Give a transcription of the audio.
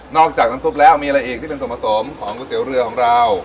อกจากน้ำซุปแล้วมีอะไรอีกที่เป็นส่วนผสมของก๋วยเตี๋ยวเรือของเรา